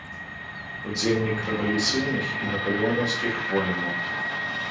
Удзельнік рэвалюцыйных і напалеонаўскіх войнаў.